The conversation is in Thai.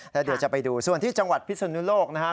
แล้วเดี๋ยวจะไปดูส่วนที่จังหวัดพิศนุโลกนะครับ